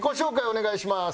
お願いします。